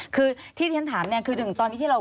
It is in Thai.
ควิทยาลัยเชียร์สวัสดีครับ